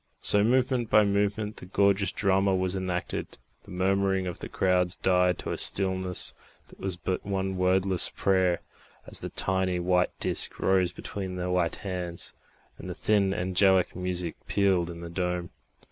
So movement by movement the gorgeous drama was enacted; the murmuring of the crowds died to a stillness that was but one wordless prayer as the tiny White Disc rose between the white hands, and the thin angelic music pealed in the dome.